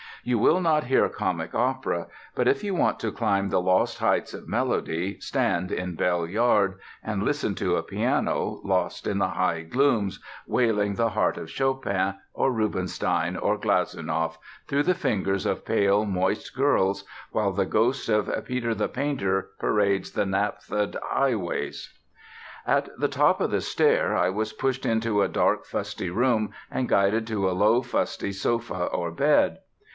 You will not hear comic opera, but if you want to climb the lost heights of melody, stand in Bell Yard, and listen to a piano, lost in the high glooms, wailing the heart of Chopin, or Rubinstein or Glazounoff through the fingers of pale, moist girls, while the ghost of Peter the Painter parades the naphtha'd highways. At the top of the stair I was pushed into a dark, fusty room, and guided to a low, fusty sofa or bed.